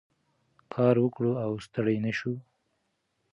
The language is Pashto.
کار وکړو او ستړي نه شو.